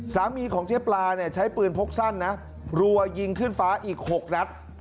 ของเจ๊ปลาเนี่ยใช้ปืนพกสั้นนะรัวยิงขึ้นฟ้าอีก๖นัด